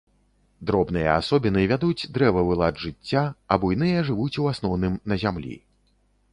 Дробныя асобіны вядуць дрэвавы лад жыцця, а буйныя жывуць у асноўным на зямлі.